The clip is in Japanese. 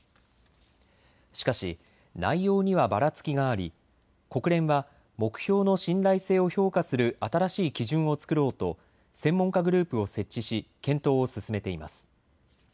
しかし内容にはばらつきがあり、国連は目標の信頼性を評価する新しい基準を作ろうと専門家グループを設置し検討を進めています。